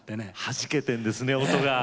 はじけてるんですね音が。